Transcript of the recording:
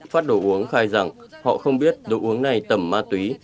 phát đồ uống khai rằng họ không biết đồ uống này tẩm ma túy